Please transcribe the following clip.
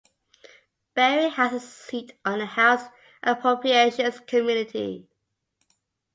Berry has a seat on the House Appropriations Committee.